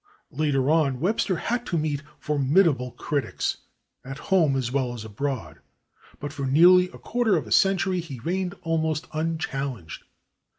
Later on Webster had to meet formidable critics, at home as well as abroad, but for nearly a quarter of a century he reigned almost unchallenged.